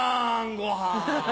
ごはん。